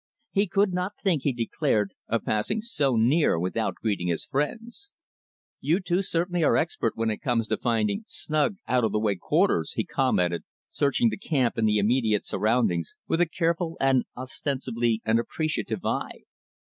He could not think, he declared, of passing so near without greeting his friends. "You two certainly are expert when it comes to finding snug, out of the way quarters," he commented, searching the camp and the immediate surroundings with a careful and, ostensibly, an appreciative eye.